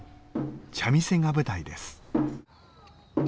茶店が舞台です。